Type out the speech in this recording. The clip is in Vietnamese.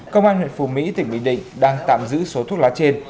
công an huyện phù mỹ tỉnh bình định đang tạm giữ số thuốc lá trên